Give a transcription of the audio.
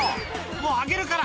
もうあげるから！」